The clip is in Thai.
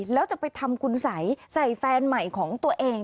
แล้วจะไปทำคุณสัยใส่แฟนใหม่ของตัวเอง